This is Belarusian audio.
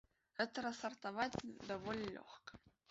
Гэта рассартаваць даволі лёгка.